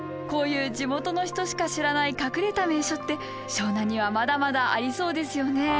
こういう地元の人しか知らない隠れた名所って湘南にはまだまだありそうですよね。